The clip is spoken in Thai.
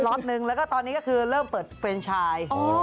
รอบนึงแล้วก็ตอนนี้ก็คือเริ่มเปิดเฟรนชาย